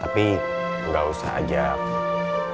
tapi gak usah ajak